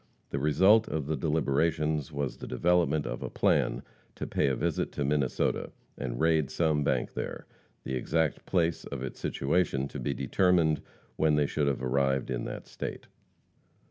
The result of the deliberations was the development of a plan to pay a visit to Minnesota, and raid some bank there, the exact place of its situation to be determined when they should have arrived in that state.